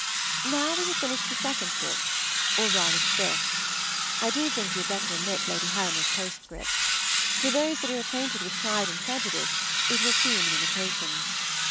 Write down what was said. Now we have finished the second book, or rather the fifth. I do think you had better omit Lady Helena's postscript. To those that are acquainted with "Pride and Prejudice" it will seem an imitation.